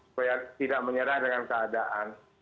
supaya tidak menyerah dengan keadaan